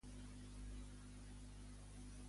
Això influencia en el nomenament de regidors?